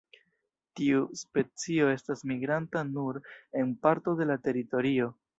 Tiu specio estas migranta nur en parto de la teritorio.